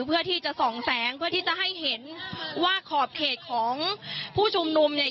เพื่อที่จะส่องแสงเพื่อที่จะให้เห็นว่าขอบเขตของผู้ชุมนุมเนี่ย